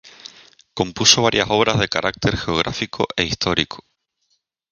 Compuso varias obras de carácter geográfico e histórico.